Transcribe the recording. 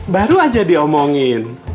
baru aja diomongin